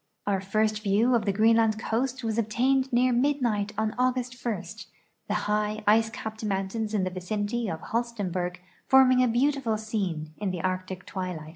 Our first view of the Greenland coast was obtained near mid night on August 1, the high, ice cajiped mountains in the vicinity of Holstenborg forming a beautiful scene in the Arctic twilight.